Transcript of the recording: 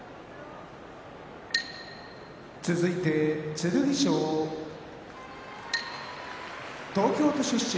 剣翔東京都出身